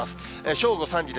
正午、３時で。